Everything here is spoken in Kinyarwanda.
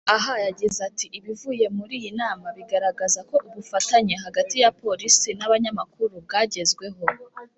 Aha yagize ati “Ibivuye muri iyi nama bigaragaza ko ubufatanye hagati ya Polisi n’abanyamakuru bwagezweho